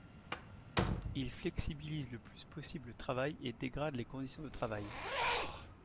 Il flexibilise le plus possible le travail et dégrade les conditions de travail.